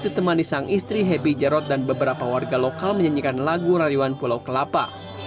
ditemani sang istri hebi jarod dan beberapa warga lokal menyanyikan lagu rayuan pulau kelapa